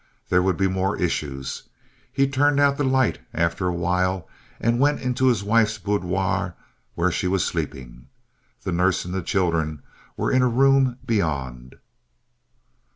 There would be more issues. He turned out the light after a while and went into his wife's boudoir, where she was sleeping. The nurse and the children were in a room beyond.